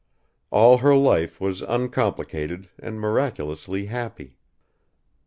All her life was uncomplicated and miraculously happy.